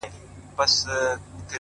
خو ستا به زه اوس هيڅ په ياد كي نه يم!!